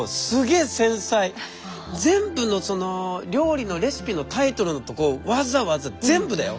全部の料理のレシピのタイトルのとこわざわざ全部だよ。